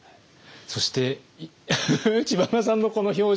そして知花さんのこの表情。